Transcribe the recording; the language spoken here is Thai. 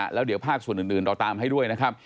แล้วเดี๋ยวภาคส่วนอื่นเราตามให้ด้วยนะครับ